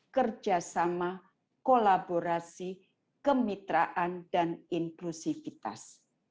kerjasama kolaborasi kemitraan dan inklusivitas